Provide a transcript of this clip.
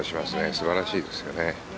素晴らしいですよね。